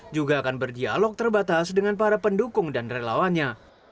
juga akan berdialog terbatas dengan para pendukung dan relawannya